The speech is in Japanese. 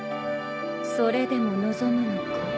それでも望むのか？